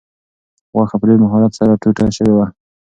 غوښه په ډېر مهارت سره ټوټه شوې وه.